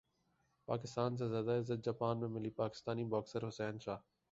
پاکستان سے زیادہ عزت جاپان میں ملی پاکستانی باکسر حسین شاہ